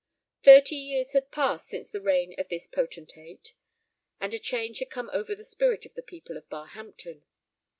Thirty years had passed since the reign of this potentate, and a change had come over the spirit of the people of Barhampton.